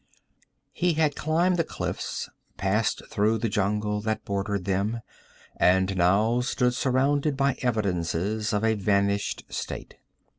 He had climbed the cliffs, passed through the jungle that bordered them, and now stood surrounded by evidences of a vanished state.